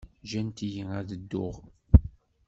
Ǧǧant-iyi ad dduɣ.